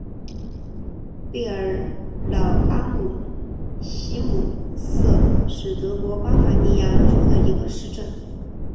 贝尔瑙阿姆希姆塞是德国巴伐利亚州的一个市镇。